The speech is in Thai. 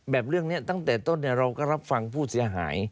เรื่องนี้ตั้งแต่ต้นเราก็รับฟังผู้เสียหาย